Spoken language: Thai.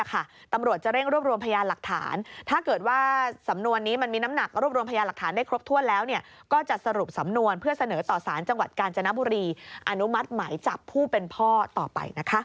ต่อสารจังหวัดกาญจนบุรีอนุมัติหมายจับผู้เป็นพ่อต่อไปนะคะ